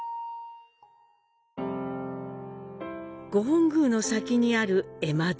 御本宮の先にある絵馬堂。